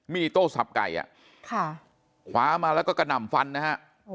มีโต้สับไก่คว้ามาแล้วก็กระหน่ำฟันนะฮะ